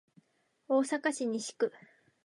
大阪市西区